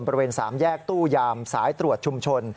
บริเวณ๓แยกตู้ยามสายตรวจชุมชน